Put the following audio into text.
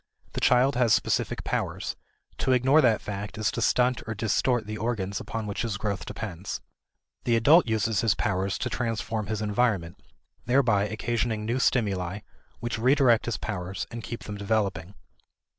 The child has specific powers; to ignore that fact is to stunt or distort the organs upon which his growth depends. The adult uses his powers to transform his environment, thereby occasioning new stimuli which redirect his powers and keep them developing.